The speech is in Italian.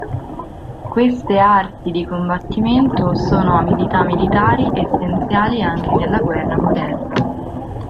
Queste arti di combattimento sono abilità militari essenziali anche nella guerra moderna.